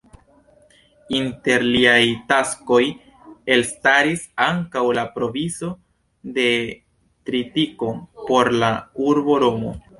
Inter liaj taskoj elstaris ankaŭ la provizo de tritiko por la urbo Romo.